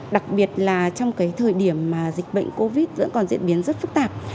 đặc biệt là trong cái thời điểm mà dịch bệnh covid vẫn còn diễn biến rất phức tạp